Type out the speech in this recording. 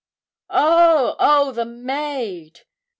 'Oh, oh, the maid!